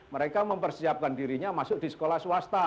mereka mempersiapkan dirinya masuk di sekolah swasta